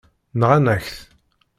Nɣan-ak-t.